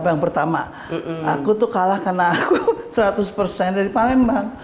yang pertama aku tuh kalah karena aku seratus persen dari palembang